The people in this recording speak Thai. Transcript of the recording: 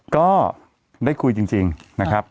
ก็ได้คุยจริงนะครับ